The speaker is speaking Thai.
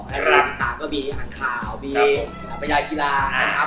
ติดตามก็มีอันข่าวมีหน้าประยายกีฬา